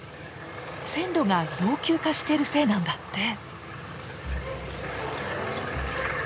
線路が老朽化してるせいなんだって。